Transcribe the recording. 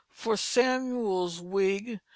Samuel's Wig 9.